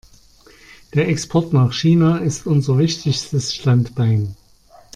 Der Export nach China ist unser wichtigstes Standbein.